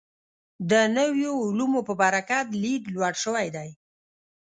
د نویو علومو په برکت لید لوړ شوی دی.